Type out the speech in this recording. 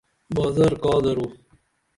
بازر کا درو؟